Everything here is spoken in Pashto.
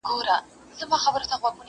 د ګودر د دیدن پل یم، پر پېزوان غزل لیکمه!